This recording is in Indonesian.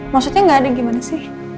maksudnya nggak ada gimana sih